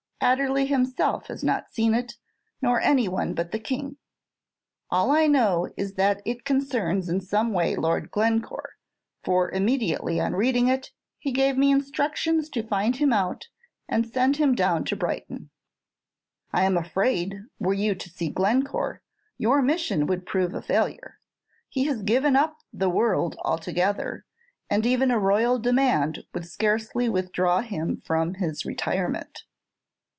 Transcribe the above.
Adderley himself has not seen it, nor any one but the King. All I know is that it concerns in some way Lord Glencore; for immediately on reading it he gave me instructions to find him out, and send him down to Brighton." "I am afraid, were you to see Glencore, your mission would prove a failure. He has given up the world altogether, and even a royal command would scarcely withdraw him from his retirement."